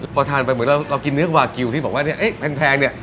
พอทานไปเหมือนเรากินเนื้อวากิลที่บอกว่าเนี่ยแพงเนี่ย